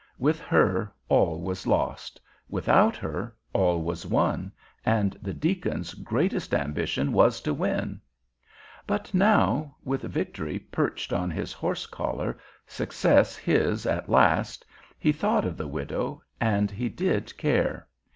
With her, all was lost; without her, all was won, and the deacon's greatest ambition was to win. But now, with victory perched on his horse collar, success his at last, he thought of the widow, and he did care.